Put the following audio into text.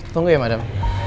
tunggu ya madam